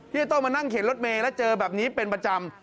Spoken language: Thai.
ที่จะต้องมานั่งเข็นรถเมย์แล้วเจอแบบนี้เป็นประจำ